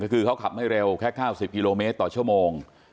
คือเขาขับไม่เร็วแค่๙๐กิโลเมตรต่อชั่วโมง